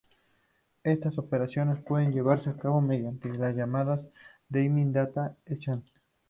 Estas operaciones pueden llevarse a cabo mediante llamadas Dynamic Data Exchange.